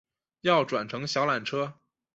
要转乘小缆车